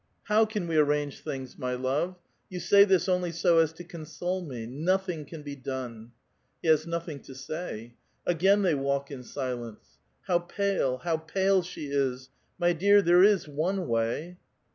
'"How can we arrange things, my love? You say this only so as to console me. Nothing can be done !" lie lias nothing to say. Again they walk in silence. '"ilow pale, how pale she is! — My dear, there is one wav."